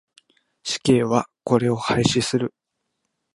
死刑はこれを廃止する。